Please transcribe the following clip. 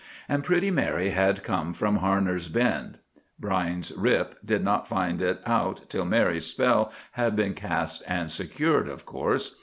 And pretty Mary had come from Harner's Bend. Brine's Rip did not find it out till Mary's spell had been cast and secured, of course.